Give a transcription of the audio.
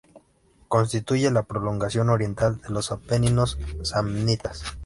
Constituye la prolongación oriental de los Apeninos samnitas.